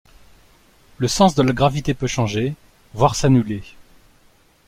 Le sens de la gravité peut changer, voire s'annuler.